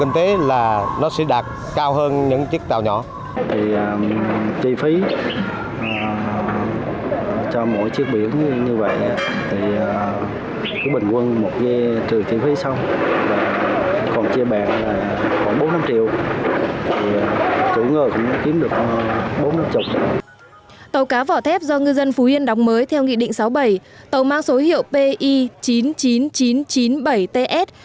tàu cá vỏ thép do ngư dân phú yên đóng mới theo nghị định sáu bảy tàu mang số hiệu pi chín mươi chín nghìn chín trăm chín mươi bảy ts